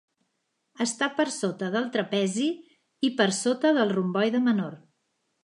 Està per sota del trapezi, i per sota del romboide menor.